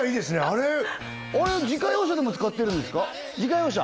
あれ自家用車でも使ってるんですか自家用車？